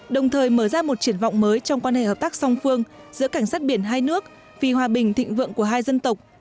đồng thời mở ra một triển vọng mới trong quan hệ hợp tác song phương giữa cảnh sát biển hai nước vì hòa bình thịnh vượng của hai dân tộc